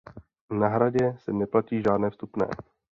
Na hradě se neplatí žádné vstupné.